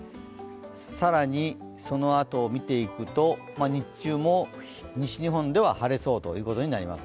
更に、そのあとを見ていくと、日中も西日本では晴れそうということになります。